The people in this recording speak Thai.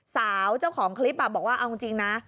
สาวเจ้าของคลิปบอกว่าเอาจริงนะ